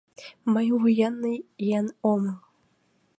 Мый военный еҥ омыл.